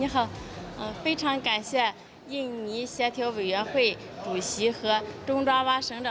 halo saya sangat berterima kasih